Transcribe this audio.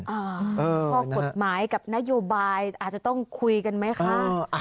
ข้อกฎหมายกับนโยบายอาจจะต้องคุยกันไหมคะ